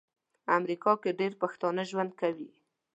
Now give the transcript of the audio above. په امریکا کې ډیر پښتانه ژوند کوي